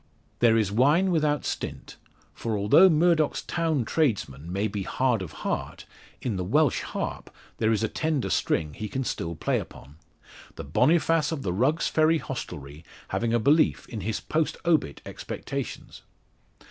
There is wine without stint; for although Murdoch's town tradesmen may be hard of heart, in the Welsh Harp there is a tender string he can still play upon; the Boniface of the Rugg's Ferry hostelry having a belief in his post obit expectations.